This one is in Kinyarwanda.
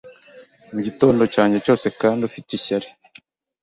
mu gitondo cyanjye cyose Kandi ufite ishyari